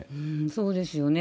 そうですよね。